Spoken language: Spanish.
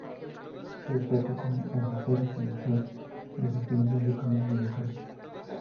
Se destacó en Rosario Central, desempeñándose como mediocampista.